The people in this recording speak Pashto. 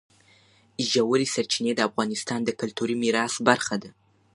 ژورې سرچینې د افغانستان د کلتوري میراث برخه ده.